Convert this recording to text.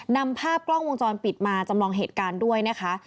นำภาพกล้องวงจรปิดมาจำลองเหตุการณ์ด้วยนะคะ